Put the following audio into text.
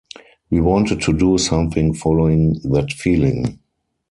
We wanted to do something following that feeling.